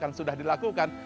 yang sudah dilakukan